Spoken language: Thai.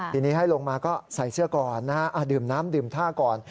ทีนี้ให้ลงมาก็ใส่เสื้อก่อนนะฮะดื่มน้ำดื่มท่าก่อน